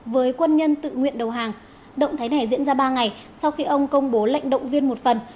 với quân nhân tự nguyện đầu hàng động thái này diễn ra ba ngày sau khi ông công bố lệnh động viên một phần